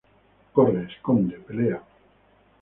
Corre, esconde, pelea.